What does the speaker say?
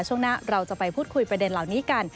ช่วงหน้าเราจะไปพูดคุยประเด็นเหล่านี้กัน